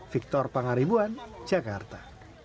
victor pangaribuan jakarta